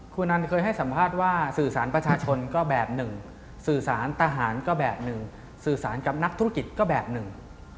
คุณอันเคยให้สัมภาษณ์ว่าสื่อสารประชาชนก็แบบหนึ่งสื่อสารทหารก็แบบหนึ่งสื่อสารกับนักธุรกิจก็แบบหนึ่ง